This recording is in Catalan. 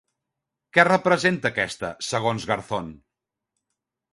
Què representa aquesta, segons Garzón?